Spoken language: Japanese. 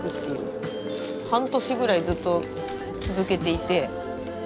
半年ぐらいずっと続けていて。